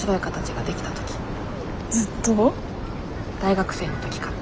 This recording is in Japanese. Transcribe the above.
ずっと？大学生の時から。